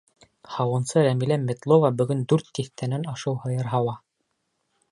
Һауынсы Рәмилә Метлова бөгөн дүрт тиҫтәнән ашыу һыйыр һауа.